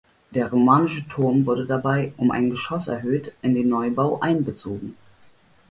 Der romanische Turm wurde dabei, um ein Geschoss erhöht, in den Neubau einbezogen.